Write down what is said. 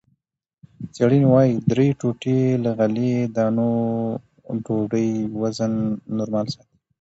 څېړنې وايي، درې ټوټې له غلې- دانو ډوډۍ وزن نورمال ساتي.